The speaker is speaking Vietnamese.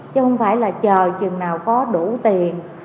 chứ không phải là chờ chừng nào có đủ tiền